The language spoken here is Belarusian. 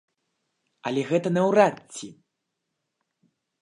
Але гэта наўрад ці!